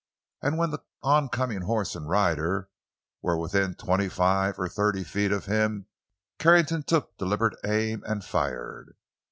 And when the oncoming horse and rider were within twenty five or thirty feet of him, Carrington took deliberate aim and fired.